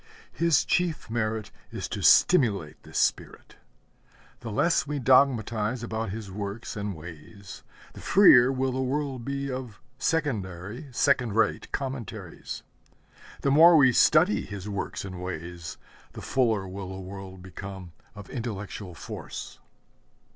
His chief merit is to stimulate this spirit. The less we dogmatize about his works and ways, the freer will the world be of secondary, second rate commentaries. The more we study his works and ways, the fuller will the world become of intellectual force.